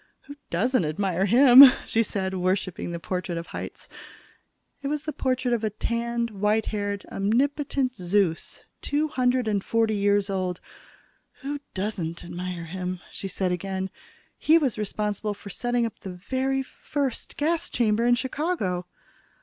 "Who doesn't admire him?" she said, worshiping the portrait of Hitz. It was the portrait of a tanned, white haired, omnipotent Zeus, two hundred and forty years old. "Who doesn't admire him?" she said again. "He was responsible for setting up the very first gas chamber in Chicago."